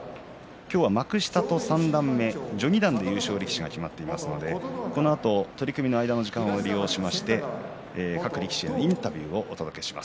幕下と三段目と序二段で優勝力士が決まっていますのでこのあと取組の間の時間を要しまして各力士へのインタビューをお届けします。